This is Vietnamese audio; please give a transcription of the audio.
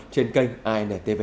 trên kênh antv